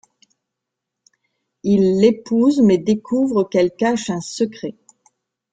Il l'épouse mais découvre qu'elle cache un secret.